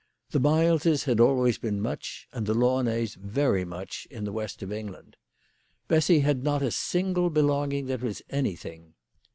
The Mileses had always been much, and the Launays very much in the west of England. Bessy had not a single belonging that was anything.